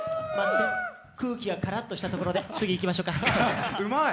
空気がカラッとしたところで、次いきましょうか。